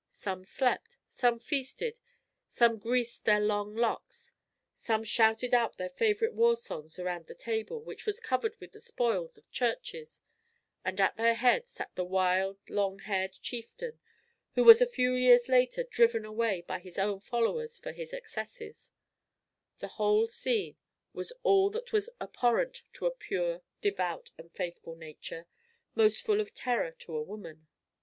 Some slept, some feasted, some greased their long locks, some shouted out their favorite war songs around the table, which was covered with the spoils of churches, and at their head sat the wild, long haired chieftain, who was a few years later driven away by his own followers for his excesses, the whole scene was all that was abhorrent to a pure, devout, and faithful nature, most full of terror to a woman.